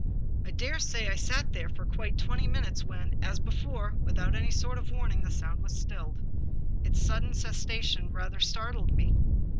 I dare say I sat there for quite twenty minutes when, as before, without any sort of warning, the sound was stilled. Its sudden cessation rather startled me.